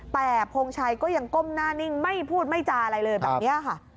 แต่พงชัยก็ยังก้มหน้านิ่งไม่พูดไม่จาอะไรเลยแบบนี้ค่ะ